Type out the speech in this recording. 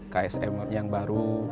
ksm yang baru